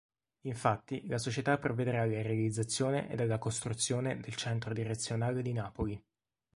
Infatti la società provvederà alla realizzazione ed alla costruzione del Centro direzionale di Napoli.